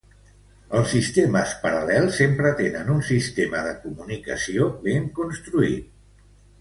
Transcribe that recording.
Els sistemes paral·lels sempre tenen un sistema de comunicació ben construït.